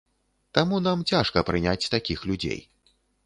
Таму нам цяжка прыняць такіх людзей.